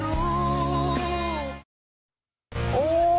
แล้วเห็นไหมพอเอาท่อออกปั๊บน้ำลงไหม